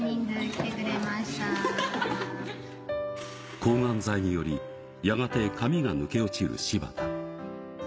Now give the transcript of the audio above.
抗がん剤により、やがて髪が抜け落ちる柴田。